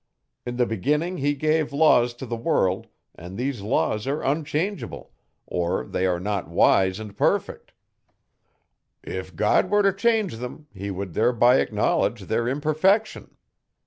In the beginning he gave laws to the world an' these laws are unchangeable, or they are not wise an' perfect. If God were to change them He would thereby acknowledge their imperfection.